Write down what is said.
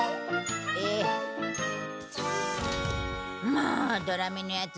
もうドラミのヤツ